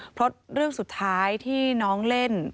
เพราะเรื่องสุดท้ายที่น้องเล่น